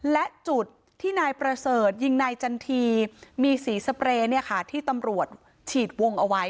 และจุดที่นายประเสริฐยิงนายจันทีมีสีสเปรย์ที่ตำรวจฉีดวงเอาไว้